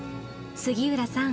杉浦さん